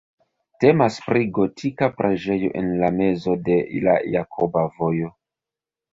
Temas pri gotika preĝejo en la mezo de la Jakoba Vojo.